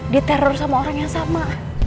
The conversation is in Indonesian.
diteror sama orang yang sama